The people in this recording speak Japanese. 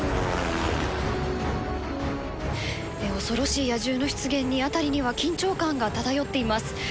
恐ろしい野獣の出現に辺りには緊張感が漂っています。